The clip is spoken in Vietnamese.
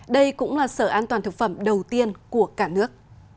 đây cũng là sở an toàn thực phẩm đầu tiên của cả nước